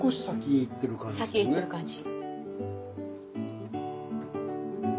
先行ってる感じ。